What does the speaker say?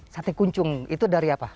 sate kuncung itu dari apa